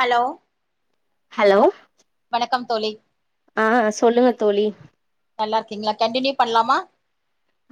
Hello hello வணக்கம் தோழி ஆ சொல்லுங்க தோழி நல்லாருக்கீங்ளா கண்டினியூ பண்லாமா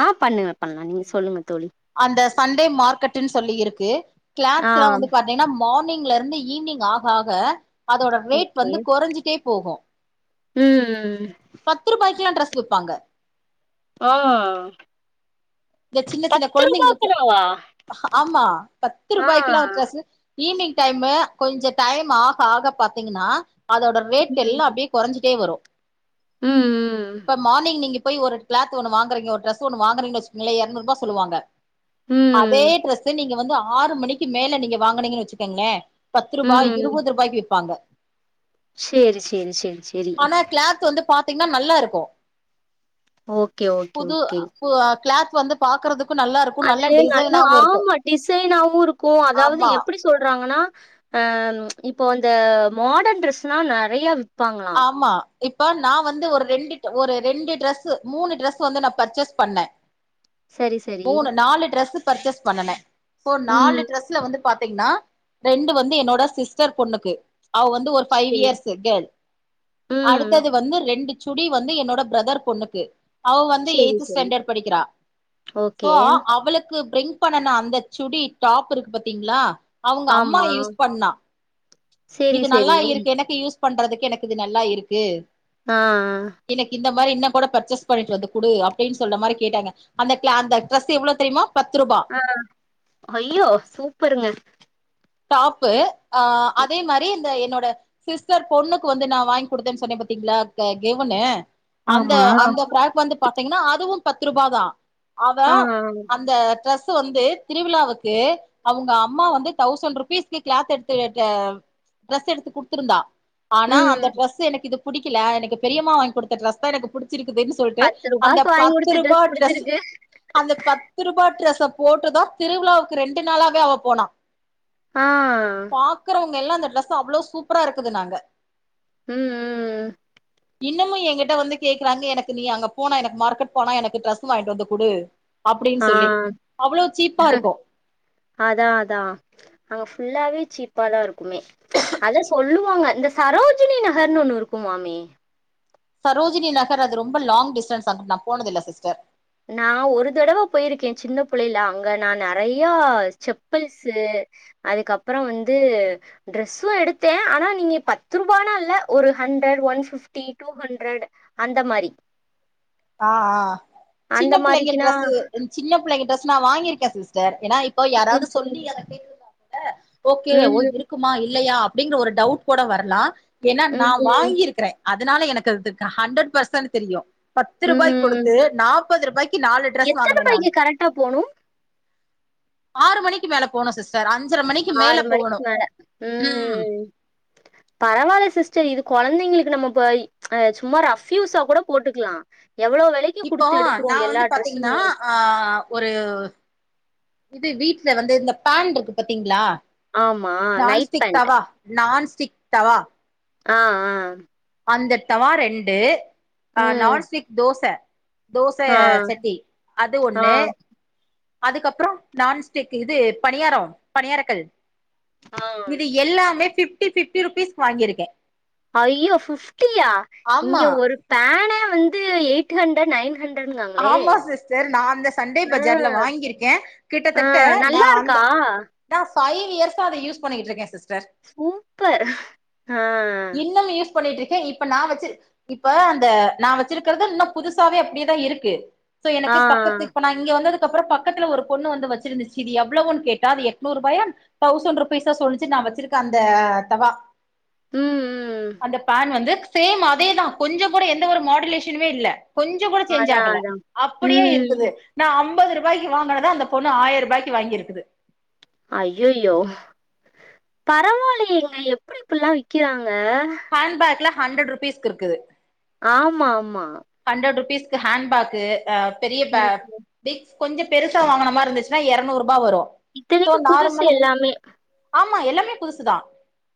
ஆ பண்ணுங்க பண்லா நீங்க சொல்லுங்க தோழி அந்த சண்டே மார்கெட்டுன் சொல்லி இருக்கு ஆ கிளாத்ஸ்லா வந்து பாத் தீங்ன்னா மார்னிங்லர்ந்து ஈவ்னிங் ஆக ஆக அதோட ரேட் வந்து கொறஞ்சிட்டே போகு ம் ம் ம் பத்ருபாய்க்கெல்லா ட்ரஸ் விப்பாங்க ஆ இந்த சின்ன சின்ன பத்து கொழந்தைங்களுக்கு ரூபாக்குனாவா ஆம்மா ஆ பத்ருபாய்க்கெல்லா ட்ரஸ்ஸு ஈவ்னிங் டைமு கொஞ்ச டைம் ஆக ஆக பாத்தீங்கன்னா அதோட ரேட் எல்லா அப்டியே கொறஞ்சிட்டே வரு ம் ம் இப்ப மார்னிங் நீங்க போய் ஒரு க்ளாத் ஒன்னு வாங்கறீங்க ஒரு ட்ரஸ் ஒன்னு வாங்கறீங்கனு வச்சுக்ங்களே எறநூர்பா சொல்லுவாங்க அதே ம் ட்ரஸ்ஸ நீங்க வந்து ஆறு மணிக்கு மேல நீங்க வாங்கனீங்கன்னு வெச்சுக்கங்ளே பத்ருபா, ம் இருவது ருபாய்க்கு விப்பாங்க சேரி சேரி சேரி சேரி ஆனா கிளாத் வந்து பாத்தீங்ன்னா நல்லாருக்கு ஓகே ஓகே புது ஓகே அ பு கிளாத் வந்து பாக்குறதுக்கு நல்லா இருக் அது நல்லா ஆமா டிசைனாவு இருக்கு அதாவது ஆமா எப்டி சொல்றாங்கன்னா ஆ இப்போ அந்த மாடன் ட்ரெஸ்லா நெறைய விப்பாங்களா ஆமா இப்ப நா வந்து ஒரு ரெண்டு ஒரு ரெண்டு ட்ரெஸ் மூணு ட்ரெஸ் வந்து நா பர்சேஸ் பண்ணே சரி சரி மூணு நாலு டிரெஸ் பர்சேஸ் பண்ணுனே நாலு ம் டிரெஸ்ல வந்து பாத்தீங்கன்னா ரெண்டு வந்து என்னோட சிஸ்டர் பொண்ணுக்கு அவ வந்து ஒரு ஃபைவ் சரி இயர்ஸ் கேர்ள் ம் அடுத்தது வந்து ரெண்டு சுடி வந்து என்னோட பிரதர் பொண்ணுக்கு அவ வந்து சரி எய்த் சரி ஸ்டாண்டர்ட் படிக்கிறா சோ ஓகே அவளுக்கு பிரிங்க் பிக் பண்ணுன அந்த சுடி டாப் இருக்கு பாத்தீங்களா அவங்க அம்மா ஆமா யூஸ் பண்ணா சேரி இது சேரி நல்லா இருக்கு எனக்கு யூஸ் பண்றதுக்கு எனக்கு இது நல்லா இருக்கு ஆ எனக்கு இந்த மாரி இன்ன கூட பர்சேஸ் பண்ணிட்டு வந்து குடு அப்டினு சொல்ற மாரி கேட்டாங்க அந்த கிளா அந்த டிரெஸ் எவ்ளோ தெரியுமா பத்து ரூபா ஆ ஐயோ சூப்பருங்க டாப்பு ஆ அதே மாரி இந்த என்னோட சிஸ்டர் பொண்ணுக்கு வந்து நா வாங்கி குடுத்தேன்னு சொன்னே பாத்தீங்களா கெவ்ணு அந்த ஆமா அந்த ஃபிராக் வந்து பாத்தீங்கன்னா அதுவு பத்ரூபாதா ஆ அவன் அந்த ட்ரெஸ் வந்து திருவிழாவுக்கு அவங்க அம்மா வந்து தௌசண்ட் ருபீஸ்கு கிளாத் எடுத்து ட்ரெஸ் எடுத்து குடுத்துருந்தா ஆனா அந்த ம் டிரெஸ் எனக்கு இது புடிக்கல எனக்கு பெரியமா வாங்கி குடுத்த டிரெஸ்தா எனக்கு புடிச்சிருக்குதுன் சொல்ட்டு பத்து அந்த ரூபாக்கு வாங்கி பத்து குடுத்த ரூபா ட்ரெஸ் புடிச்சிருக்கு அந்த பத்ரூபா ட்ரெஸ்ஸ போட்டுதா திருவிழாவுக்கு ரெண்டு நாளாவே அவ போனா ஆ பாக்குறவங்க எல்லா இந்த டிரெஸ்ஸ அவ்வளவு சூப்பரா இருக்குதுனாங்க ம்ம் இன்னமு என்கிட்ட வந்து கேக்குறாங்க எனக்கு நீ அங்க போனா எனக்கு மார்க்கெட் போனா எனக்கு ட்ரஸ் வாங்கிட்டு வந்து குடு அப்டின் ஆ சொல்லி அவ்ளோ சீப்பா இருக்கு அதா அதா அங்க ஃபுல்லாவே சீப்பா தா இருக்குமே அதா சொல்லுவாங்க இந்த சரோஜினி நகர்னு ஒன்னு இருக்குமாமே சரோஜினி நகர் அது ரொம்ப லாங் டிஸ்டன்ஸ் அங்குட்டு நா போனதில்ல சிஸ்டர் நா ஒரு தடவ போயிருக்கே சின்ன புள்ளைைல அங்க நா நெறையா செப்பல்ஸ்ஸு அதுக்கப்புற வந்து ட்ரெஸ்ஸு எடுத்தே ஆனா நீங்க பத்து ரூபானா இல்ல ஒரு hundred one fifty two hundred அந்த மாரி ஆ ஆ சின்ன அந்த பிள்ளைங்க மாரிக்குனா டிரெஸ்ஸு சின்ன பிள்ளைங்க டிரெஸ் நா வாங்கிருக்கே சிஸ்டர் ஏன்னா இப்போ யாராவது ம் சொல்லி அத [inaudible] [inaudible] ஓகே ம் இருக்குமா இல்லையா அப்டிங்கற ஒரு டவுட் கூட வரலா ஏன்னா நா ம் ம் வாங்கிருக்கிறே அதனால எனக்கு அதுக்கு ஹண்ட்ரட் பர்சன்ட் தெரியு பத்து ரூபாய் ம் குடுத்து நாற்பது ரூபாய்க்கு நாலு ட்ரஸ் எத்தன வாங்குனே நானு மணிக்கு கரெக்டா போணு ஆறு மணிக்கு மேல போனோ சிஸ்டர் அஞ்சரை மணிக்கு மேல ஆறு போகணு மணிக்கு மேல ம் ம்ம் பரவால்ல சிஸ்டர் இது கொழந்தைங்களுக்கு நம்ம சும்மா ரஃப் யூஸா கூட போட்டுக்கலா எவ்ளோ வெலக் இப்போ நா வந்து பாத்தீங்கன்னா ஆ ஒரு இது வீட்ல வந்து இந்த பான்டு இருக்கு பாத்தீங்ளா ஆமா night nonstick pan tawa nonstick tawa ஆ ஆ அந்த தவா ரெண்டு அ ம் நான்ஸ்டிக் தோச தோச ஆ சட்டி அது ஆ ஒண்ணு அதுக்கப்புற நான்ஸ்டிக் இது பணியாரம் பணியாரக்கல் இது எல்லாமே ஃபிப்டி ஃபிப்டி ருபீஸ் வாங்கிருக்கே ஐயோ ஃபிப்டியா இங்க ஒரு பானே வந்து எயிட் ஹண்ரட் நைன் ஹண் ஆமா சிஸ்டர் நா அந்த சண்டே ஆ பஜார்ல வாங்கியிருக்கே கிட்டத்தட்ட நா அந்த க்கா நா ஃபைவ் இயர்ஸ்ஸா அத யூஸ் பண்ணிகிட்டு இருக்கே சிஸ்டர் சூப்பர் ஆ இன்னமு யூஸ் பண்ணிட்டு இருக்கே இப்ப நா வச்சு இப்ப அந்த நா வச்சிருக்கறது இன்னு புதுசாவே அப்டியேதா இருக்கு சோ ஆ எனக்கு பக்கத்து இப்ப நா இங்க வந்ததுக்குப்கப்புற பக்கத்துல ஒரு பொண்ணு வந்து வச்சிருந்துச்சு இது எவளோவுன் கேட்டா அது எட்நூறு ரூபாயான் தௌசண்ட் ருபீஸ சொல்லிச்சி நா வச்சிருக்க அந்த தவா ம் ம் அந்த பான் வந்து சேம் அதேதா கொஞ்ச கூட எந்த ஒரு மாடுலேஷனுமே இல்ல கொஞ்ச கூட சேஞ்ச் அதா ஆகல அதா அப்டியே ம் இருக்குது நா அம்பது ரூபாய்க்கு வாங்கினத அந்த பொண்ணு ஆயிர ரூபாய்க்கு வாங்கிருக்குது அய்யய்யோ பரவாலயேங்க எப்டி இப்டிலா விக்கிறாங்க ஹேண் பேக்குல ஹண்ரட்ருபீஸ்கு இருக்குது ஆமா ஆமா ஹண்ரட் ருபீஸ்க்கு ஹேண்ட பேக்கு பெரிய பே ம் பிக் கொஞ்ச பெருசா வாங்குன மாரியிருந்துச்சுன்னா எரநூறூபா வரு சோ இத்தனைக்கு புதுசு நார்மலா எல்லாமே ஆமா எல்லாமே புதுசுதா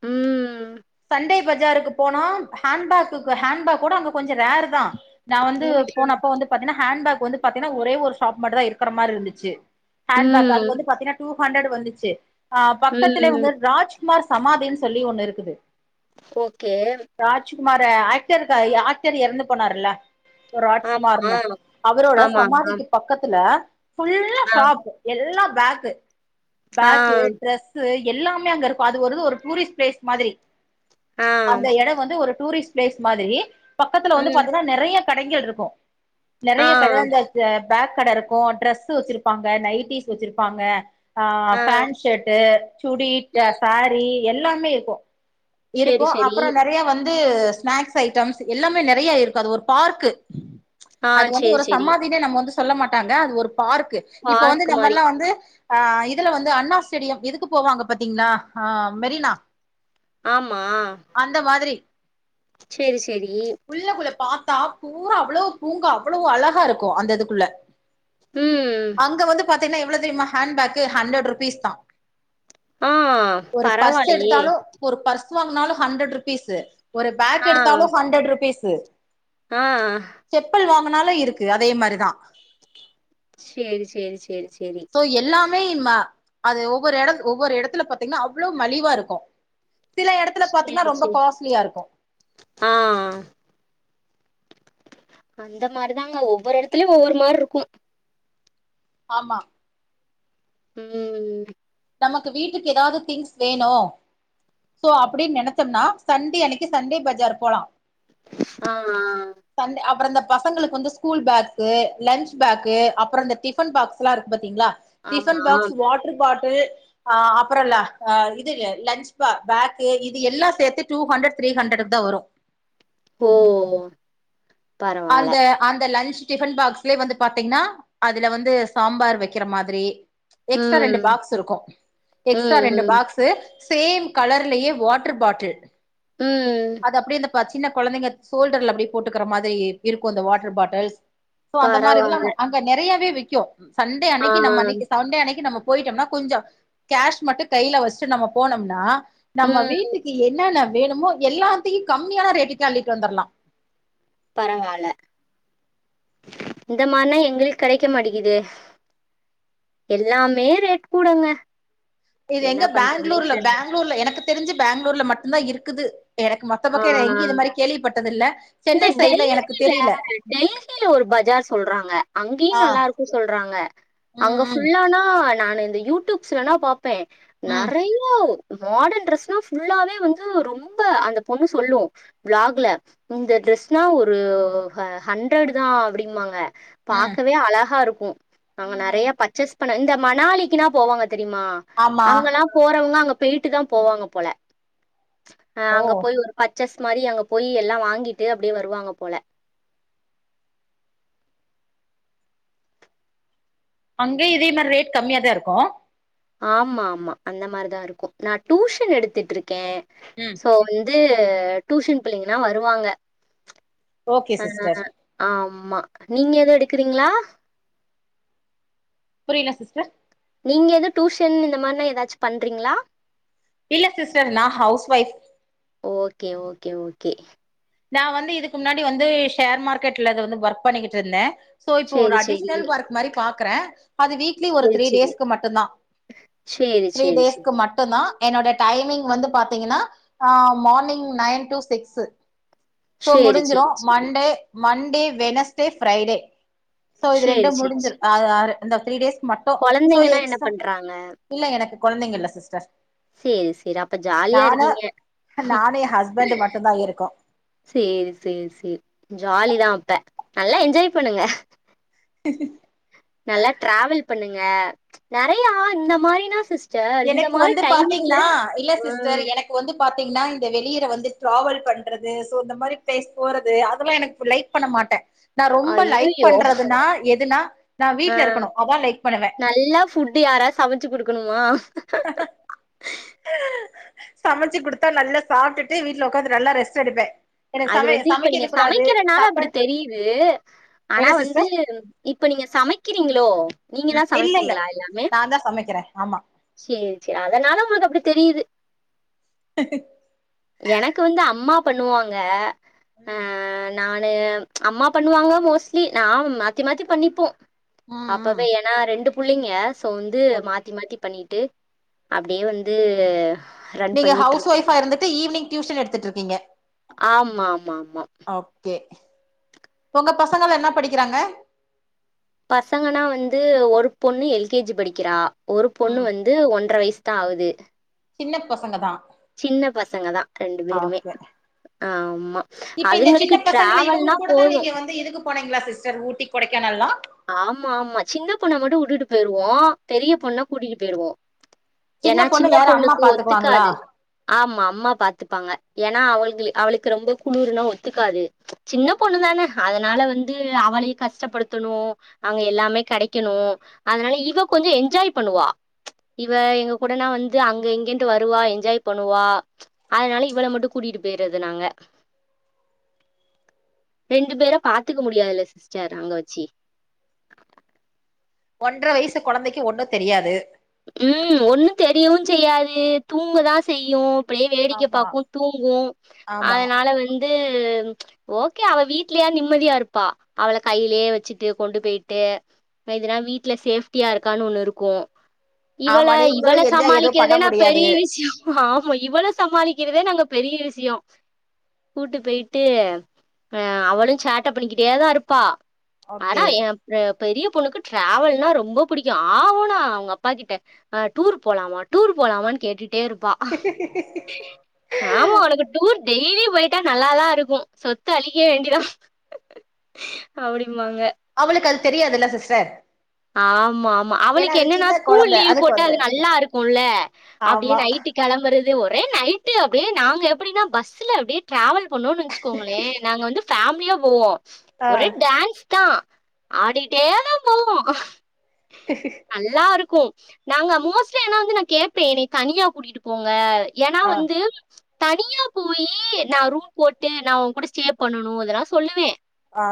ம் சண்டே பஜாருக்கு போனா ஹேண்பேக்குக்கு ஹேண்பேக் கூட அங்க கொஞ்ச ரேர் தா நா வந்து ம் போனப்ப வந்து பாத்தீனா ஹேண்பேக் வந்து பாத்தீனா ஒரே ஒரு ஷாப் மட்டுதா இருக்கற மாரியிருந்துச்சு ஹேண்பேக் அது ம் வந்து பாத்தீனா டூ ஹண்ரட் வந்துச்சு ஆ பக்கத்லே ம் உங்க ராஜ் குமார் சமாதின் சொல்லி ஒண்ணுயிருக்குது ஓகே ராஜ்குமார ஆக்டருக்கா ஆக்டர் எறந்து போனாருல்ல ஆமா ராஜ்குமார்னு அவரோட ஆமா சமாதிக்கு பக்கத்துல ஃபுல்லா ஆமா ஷாப் எல்லா பேக்கு ஆ ஆ பேக்கு ட்ரெஸ் சு எல்லாமே அங்க இருக்கு அது ஒரு ஒரு டூரிஸ்ட் பிளேஸ் மாதிரி ஆ அந்த எட வந்து ஒரு டூரிஸ்ட் பிளேஸ் மாதிரி பக்கத்தில வந்து ம் பாத்திங்னா நெறைய கடைக இருக்கு ஆ நெறைய கடை அந்த பேக் கட இருக்கும் ட்ரெஸ் வச்சிருப்பாங்க நைட்டீஸ் வச்சிருப்பாங்க ஆ பேண்ட்ஷர்ட்டு சுடி சாரீ எல்லாமே இருக்கு சேரி இருக்கும் சேரி அப்புற நெறைய வந்து ஸ்நாக்ஸ் ஐட்டம்ஸ் எல்லாமே நெறையா இருக்கு அது ஒரு பார்க் ஆ அது வந்து சேரி ஒரு சேரி சமாதினே நம்ம வந்து சொல்ல மாட்டாங்க அது ஒரு பார்க் இப்ப வந்து பார்க் மாரி நம்மல்லா வந்து ஆ இதுல வந்து அண்ணா ஸ்டேடியம் இதுக்கு போவாங்க பாத்தீங்லா மெரினா ஆமா அந்த மாதிரி சேரி சேரி உள்ளகுள்ள பாத்தா பூரா அவ்ளோ பூங்கா அவ்வளோ அழகா இருக்கு அந்த இதுக்குள்ள ம் அங்க வந்து பாத்தீன்னா எவ்ளோ தெரியுமா ஹாண்பேக்கு ஹண்ட்ரட் ருபீஸ் தா ஆ ஒரு பர்ஸ் பரவால்லயே எடுத்தாலு ஒரு பர்ஸ் வாங்னாலு ஹண்ட்ரட் ருபீஸு ஒரு பேக் ஆ எடுத்தாலு ஹண்ட்ரட் ருபீஸு ஆ செப்பல் வாங்கினாலு இருக்கு அதே மாரிதா சேரி சேரி சேரி சேரி சோ எல்லாமே மா அது ஒவ்வொரு இடத் ஒவ்வொரு இடத்துல பாத்தீங்னா அவ்ளோ மலிவா இருக்கு சில இடத்துல பாத்தீங்னா சேரி ரொம்ப சேரி காஸ்ட்லியா இருக்கு ஆ அந்த மாரிதாங்க ஒவ்வொரு இடத்துலயு ஒவ்வொரு மார் இருக்கு ஆமா உம் நமக்கு வீட்டுக்கு ஏதாவது திங்ஸ் வேணு சோ அப்டின் நெனச்சம்னா சண்டே அன்னைக்கு சண்டே பஜார் போலா ஆ ஆ சநணடே அப்புற இந்த பசங்களுக்கு வந்து ஸ்கூல் பேக்கு லன்ச் பேக்கு அப்புற இந்த டிஃபன் பாக்ஸ்லா இருக்கு பத்தீங்ளா ஆமா டிஃபன் பாக்ஸ் வாட்டர் பாட்டில் அ அப்புற இல்ல அ இது லன்ச் பா பேக்கு இது எல்லா சேத்து டூ ஹண்ட்ரட் த்ரீ ஹண்ட்ரட் தா வரு ஓ பரவால்ல அந்த அந்த லன்ச் டிஃபன் பாக்ஸ்லே வந்து பாத்தீங்னா அதுல வந்து சாம்பார் வைக்கிற மாதிரி எக்ஸ்ட்ரா ரெண்டு ம் பாக்ஸ் இருக்கு ம் எக்ஸ்ட்ரா ரெண்டு ம் பாக்ஸ் த்து சேம் கலர்லேயே வாட்டர் பாட்டில் ம் அது அப்டி இந்த இப்ப சின்ன கொழந்தைங்க சோல்டர்ல அப்டி போட்டுக்கிற மாதிரி இருக்கு இந்த வாட்டர் பாட்டில்ஸ் சோ அந்த மாரி இதல்லா பரவால்ல அங்க நெறையவே விக்கு சண்டே அன்னைக்கு நம்ம ஆ அன்னைக்கு சண்டே அன்னைக்கு நம்ம போயிட்டோம்னா கொஞ்சோ கேஷ் மட்டு கைல வஸ்ட்டு நம்ம போனோம்னா நம்ம ம் வீட்டுக்கு என்னான்ன வேணுமோ எல்லாத்தையு கம்மியான ரேட்டுக்கே அள்ளிட்டு வந்தர்லா பரவால்ல இந்த மார்னா எங்ளுக் கெடைக்க மாட்டிக்கிது எல்லாமே ரேட் கூடங்க இது என்ன எங்க பண்றதுன்னே பெங்களூர்ல தெர்ல. பெங்களூர்ல எனக்கு தெரிஞ்சு பெங்களூர்ல மட்டு தா இருக்குது எனக்கு மட் ஆ இந்த சென்னை சைட்ல எனக்கு டெல்லில தெரில டெல்லில ஒரு பஜார் சொல்றாங்க அங்கயு ஆ நல்லா இருக்கு சொல்றாங்க அங்க ம் ஃபுல்லானா நானு இந்த யூடியூப்ஸ்லனா பாப்பே ம் ம் நறைய மாடர்ன் ட்ரெஸ்னா ஃபுல்லாவே வந்து ரொம்ப அந்த பொண்ணு சொல்லு வ்லாக்ல இந்த ட்ரெஸ்னா ஒரு ஹ ஹண்ட்ரட் தா அப்டின்பாங்க ம் பாக்கவே அழகா இருக்கு நாங்க ம் நறைய ம் பர்ச்சேஸ் பண்ண இந்த மணாலிக்குனா போவாங்க தெரியுமா ஆமா அங்கல்லா போறவங்க அங்க போயிட்டுதா போவாங்க போல அ ஓ அங்க போய் ஒரு பர்ச்சஸ் மாரி அங்க போய் எல்லா வாங்கிட்டு அப்டியே வருவாங்க போல அங்கே இதே மார் ரேட் கம்மியா தா இருக்கு ஆமா ஆமா அந்த மார்தா இருக்கு நா டூஷன் எடுத்துட்டு இருக்க ம் இப்போ வந்து டூஸ்ஷன் பிள்ளைங்கனா வருவாங்க ஓகே அ அ சிஸ்டர் அ ஆமா நீங்க எதோ எடுக்குறீங்ளா புரில சிஸ்டர் நீங்க ஏதோ டூஷன் இந்த மார்னா ஏதாச்சு பண்றீங்ளா இல்ல சிஸ்டர் நா house wife okay okay okay நா வந்து இதுக்கு முன்னாடி வந்து ஷேர் மார்க்கெட்ல வந்து ஒர்க் பண்ணிக்கிட்டு இருந்த சோ இப்போ ஒரு சேரி சேரி அடிஷ்னல் ஒர்க் மாரி பாக்ற அது வீக்லி ஒரு சேரி த்ரீ சேரி. டேஸ்க்கு மட்டு தா சேரி த்ரீ சேரி சேரி. டேஸ்க்கு மட்டு தா என்னோட டைம்மிங் வந்து பாத்தீங்கனா morning nine to six so சேரி முடிஞ்சுரு சேரி சேரி. Monday Monday Wednesday Friday so இது ரெண்டு சேரி சேரி முடிஞ்சுற் சேரி. ஆறு ஆறு இந்த த்ரீ டேஸ் மட் கொழந்தைங்கன்னா என்னப் பண்றாங்க இல்ல எனக்கு கொழந்தைங்க இல்ல சிஸ்டர் சேரி சேரி அப்ப ஜாலியா நானு இருக்கீங்க நானு எ ஹஸ்பண்டு மட்டுந்தா இருக்கோ சேரி சேரி சேரி ஜாலி தா அப்ப நல்லா என்ஜாய் பண்ணுங்க நல்லா ட்ராவல் பண்ணுங்க நெறையா இந்த மாரினா சிஸ் எனக்கு வந்து பாத்தீங்னா இல்ல சிஸ்டர் ம். எனக் இப்போ வந்து பாத்தீங்னா இந்த வெளியில வந்து ட்ராவல் பண்றது சோ இந்த மாரி ப்ளேஸ் போறது அதெல்லா எனக்கு பு லைக் பண்ண மாட்ட நா ரொம்ப லைக் ஐய்யய்யோ! பண்றதுனா எதுனா நா ஆ வீட்ல இருக்கணு அதா லைக் பண்ணுவ நல்லா ஃபுட் யாரா சமச்சி குடுக்கனுமா சமச்சி குடுத்தா நல்லா சாப்டுட்டு வீட்ல ஒக்காந்து நல்லா ரெஸ்ட் எடுப்பே அது வந்து இப்ப நீங்க சமைக்கிறனால அப்டி சாப்பாடு தெரியிது ஆனா என்ன வந்து சிஸ்டர் இப்ப நீங்க சமைக்கிறீங்ளோ நீங்க தா சமைப்பீங்ளா எல்லாமே நா தா சமைக்கிற ஆமா சேரி சேரி அதனால உங்களுக்கு அப்டி தெரியிது எனக்கு வந்து அம்மா பண்ணுவாங்க ஆ ம் நானு அம்மா பண்ணுவாங்க மோஸ்லி நா மாத்தி மாத்தி பண்ணிப்போ ம் ம் அப்பவே என் நா ரெண்டு புள்ளைங்க சோ வந்து மாத்தி மாத்தி பண்ணிட்டு அப்டியே வந்து ரன் நீங்க பண்ணிட்டு ஹவ்ஸ் இருக்கோம் ஒய்ஃபா இருந்துட்டு ஈவ்னிங் ட்யூஷன் எடுத்துட்ருக்கீங்க ஆமா ஆமா ஆமா ஓகே ஒங்க பசங்கல்லா என்னா படிக்கிறாங்க பசங்கனா வந்து ஒரு பொண்ணு எல் கே ஜி படிக்கிறா ஒரு பொண்ணு ம் வந் து ஒன்ற வயிஸ் தா ஆவுது சின்ன பசங்க தான் சின்ன பசங்க தா ரெண்டு பேருமே ஓகே. ஆமா இப்ப இந்த அதுங்களுக்கு ட்ராவல்னா போது போனீங்ளா சிஸ்டர் ஊட்டி கொடைக்கானல்லா ஆமா ஆமா சின்ன பொண்ண மட்டு வுட்டுட்டு பேய்ர்வோ பெரிய பொண்ண கூட்டிகிட் பேயிருவோ ஏனா பொண்ணு சின்ன யாரு அம்மா பொண்ணுக்கு பாத்துக்குவாங்களா ஒத்துகாது ஆமா அம்மா பாத்துப்பாங்க ஏனா அவள்ங்ளு அவளுக்கு ரொம்ப குளுர்னா ஒத்துக்காது சின்ன பொண்ணு தான அதனால வந்து அவளையு கஷ்டப்படுத்தனு அங்க எல்லாமே கெடைக்கனு அதனால இவ கொஞ்ச என்ஜாய் பண்ணுவா இவ எங்க கூடனா வந்து அங்க இங்கன்ட்டு வருவா என்ஜாய் பண்ணுவா அதனால இவள மட்டு கூட்டிட்டு பேய்றது நாங்க ரெண்டு பேர பாத்துக்க முடியாதில்ல சிஸ்டர் அங்க வச்சி ஒன்ற வயசு கொழந்தைக்கு ஒண்ணு தெரியாது ம் ஒண்ணு தெரியவு செய்யாது தூங்கதா செய்யு அப்டியே வேடிக்க ஆமா பாக்கு தூங்கு ஆமா அதனால வந்து ஓகே அவ வீட்லயா நிம்மதியா இருப்பா அவள கையிலே வச்சிட்டு கொண்டு பேயிட்டு இப்ப இதுனா வீட்ல சேஃப்டியா இருக்கான் ஒண்ணு இருக்கு இவள ஆமா நீங்களு இவள என்ஜாய் எதுவு பண்ண சமாளிக்கிறதே நா முடியாது பெரிய விஷ்யோ ஆமா இவள சமாளிக்கிறதே நாங்க பெரிய விஷியோ கூட்டு பேயிட்டு அ அவளு சேட்ட பண்ணிக்கிட்டே தா இருப்பா ஆனா ஓகே எ ப பெரிய பொண்ணுக்கு டிராவல்னா ரொம்ப புடிக்கு ஆ வூனா அவுங்க அப் பா அ கிட்ட டூர் போலாமா டூர் போலாமான் கேட்டுட்டே இருப்பா [inaudible] ஆமா உனக்கு டூர் டெய்லி போய்ட்டா நல்லாதா இருக்கு சொத்து அழிக்க வேண்டியதா அப்டிமாங்க அவளுக்கு அது தெரியாதில்ல சிஸ்டர் ஆமா ஆமா ஏன்னா அவளுக்கு அது என்னன்னா சின்ன ஸ்கூல் கொழந்த லீவ் அதுக்கு போட்டா வந்து அது நல்லா இருக்குல்ல அப்டி ஆமா நைட்டு கிளம்புறது ஒரே நைட் அப்டியே நாங்க எப்டின்னா பஸ்ல அப்டியே டிராவல் பண்ணோன்னு நெனச் சிகோங்களே நாங்க வந்து ஃபேமிலியா போவோ ஆ ஒரே டான்ஸ் தா ஆடிட்டே தா போவோ ஹ [inaudible] நல்லா இருக்கு நாங்க மோஸ்ட்லி ஆனா வந்து நா கேப்பே என்னய தனியா கூட்டிட்டு போங்க ஏன்னா ஆ வந்து தனியா போயி நா ரூம் போட்டு நா ஒங்கூட ஸ்டே பண்ணனு அதெல்லா சொல்லுவே ஆ